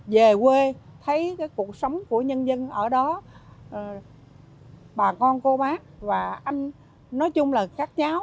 về quê thấy cuộc sống của nhân dân ở đó bà con cô bác và anh nói chung là các cháu